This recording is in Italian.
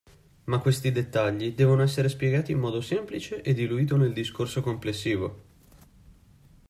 Ma questi dettagli devono essere spiegati in modo semplice e diluito nel discorso complessivo.